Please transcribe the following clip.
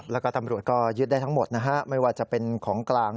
แล้วก็ตำรวจก็ยึดได้ทั้งหมดนะฮะไม่ว่าจะเป็นของกลาง